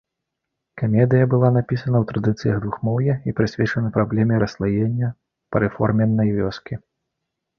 Камедыя была напісана ў традыцыях двухмоўя і прысвечана праблеме расслаення парэформеннай вёскі.